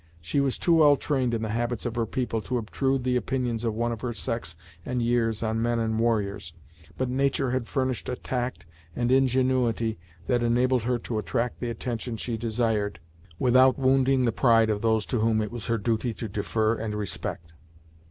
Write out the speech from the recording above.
She was too well trained in the habits of her people to obtrude the opinions of one of her sex and years on men and warriors, but nature had furnished a tact and ingenuity that enabled her to attract the attention she desired, without wounding the pride of those to whom it was her duty to defer and respect.